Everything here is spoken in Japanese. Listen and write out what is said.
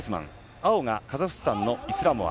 青がカザフスタンのイスラモア。